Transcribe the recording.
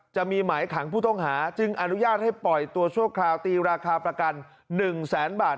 จะมีหมายขังผู้ต้องหาจึงอนุญาตให้ปล่อยตัวชั่วคราวตีราคาประกัน๑แสนบาท